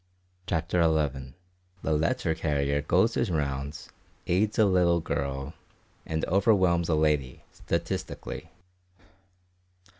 CHAPTER ELEVEN. THE LETTER CARRIER GOES HIS ROUNDS, AIDS A LITTLE GIRL, AND OVERWHELMS A LADY STATISTICALLY.